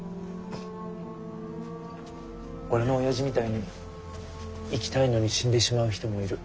俺のおやじみたいに生きたいのに死んでしまう人もいる。